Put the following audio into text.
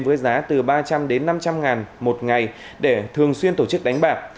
với giá từ ba trăm linh đến năm trăm linh ngàn một ngày để thường xuyên tổ chức đánh bạc